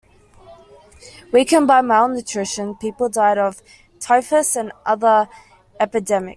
Weakened by malnutrition, people died of typhus and other epidemics.